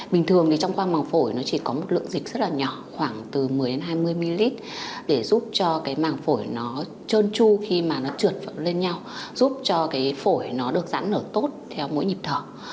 lượng dịch rất là nhỏ khoảng từ một mươi hai mươi ml để giúp cho măng phổi trơn tru khi trượt vào lên nhau giúp cho phổi được giãn nở tốt theo mỗi nhịp thở